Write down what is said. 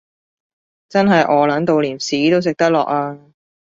真係餓 𨶙 到連屎都食得落呀